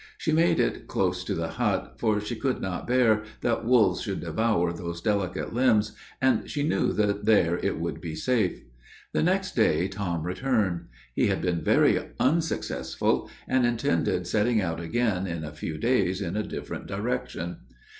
She made it close to the hut, for she could not bear that wolves should devour those delicate limbs, and she knew that there it would be safe. The next day Tom returned. He had been very unsuccessful, and intended setting out again, in a few days, in a different direction.